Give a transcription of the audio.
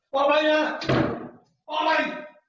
ไป